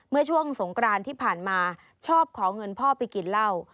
เมื่อช่วงสงกรานที่ผ่านมาชอบขอเงินพ่อไปกินเหล้า